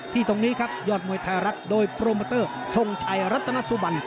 ตรงนี้ครับยอดมวยไทยรัฐโดยโปรโมเตอร์ทรงชัยรัตนสุบัน